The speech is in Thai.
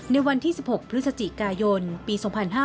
ในวันที่๑๖พฤศจิกายนปี๒๕๕๙